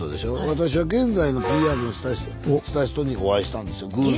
私は現代のＰＲをした人にお会いしたんですよ偶然。